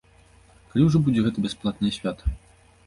Калі ўжо будзе гэта бясплатнае свята?